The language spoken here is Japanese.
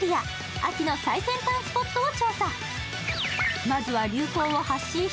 秋の最先端スポットを調査。